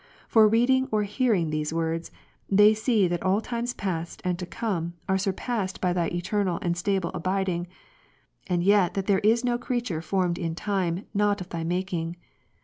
For reading or hearing these words, they see that all times past and to come, are surpassed by Thy eternal and stable abiding ; and yet that there is no creature formed in time, not of Thy making.